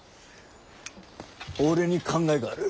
俺に考えがある。